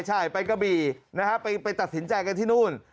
ใช่ไปกะบี่นะครับไปตัดสินใจกันที่นู่น